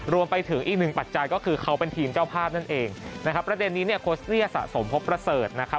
รวมไปถึงอีกหนึ่งปัจจัยก็คือเขาเป็นทีมเจ้าภาพนั่นเองนะครับประเด็นนี้เนี่ยโค้ชเรียสะสมพบประเสริฐนะครับ